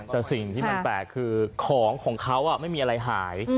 แต่สิ่งที่มันแปลกคือของของเขาไม่มีอะไรหาย